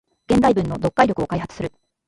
現代文の読解力を開発する